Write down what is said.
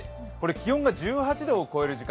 気温が１８度を超える時間。